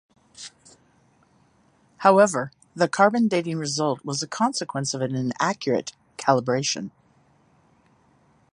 However, the carbon dating result was a consequence of an incorrect calibration.